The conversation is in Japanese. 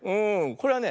これはね